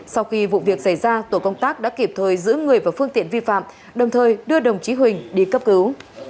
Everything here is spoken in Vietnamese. sau khi vụ việc xảy ra tổ công tác đã kịp thời giữ người và phương tiện vi phạm đồng thời đưa đồng chí huỳnh đi cấp cứu